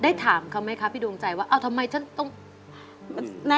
ถามเขาไหมคะพี่ดวงใจว่าเอาทำไมฉันต้อง